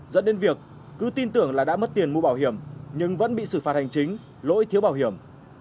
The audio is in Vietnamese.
dẫn đến việc cứ tin tưởng là đã mất tiền mua bảo hiểm nhưng vẫn bị xử phạt hành chính lỗi thiếu bảo hiểm